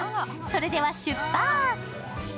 それでは出発！